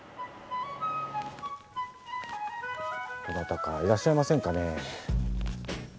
どなたかいらっしゃいませんかねぇ。